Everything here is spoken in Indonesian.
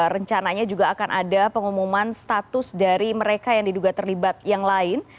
rencananya juga akan ada pengumuman status dari mereka yang diduga terlibat yang lain